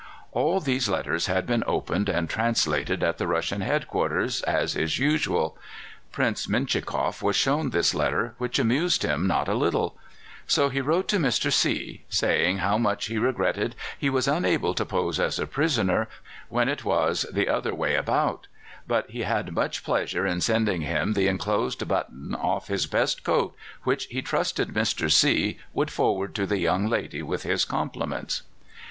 All these letters had been opened and translated at the Russian headquarters, as is usual. Prince Menchikoff was shown this letter, which amused him not a little; so he wrote to Mr. C , saying how much he regretted he was unable to pose as a prisoner, when it was the other way about; but he had much pleasure in sending him the enclosed button off his best coat, which he trusted Mr. C would forward to the young lady with his compliments.